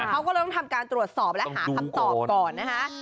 เขาก็เลยต้องทำการตรวจสอบและหาคำตอบก่อนนะคะ